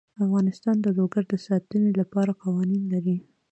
افغانستان د لوگر د ساتنې لپاره قوانین لري.